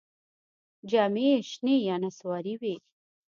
جامې یې شنې یا نسواري وې.